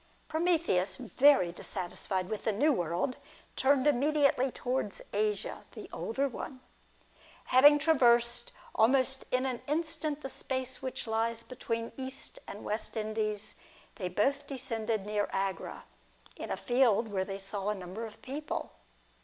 Prometheus, very dissatisfied with the New World, turned immediately towards Asia, the older one. Having traversed almost in an instant the space which lies between the East and West Indies, they both descended near Agra, in a field where they saw a number of people.